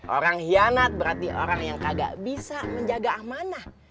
orang hianat berarti orang yang kagak bisa menjaga amanah